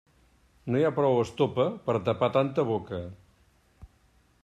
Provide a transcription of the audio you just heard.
No hi ha prou estopa per a tapar tanta boca.